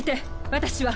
私は。